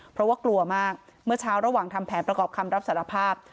เพราะว่ากลัวมากเมื่อเช้าระหว่างทำแผนประกอบคำรับสารภาพ